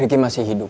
riki masih hidup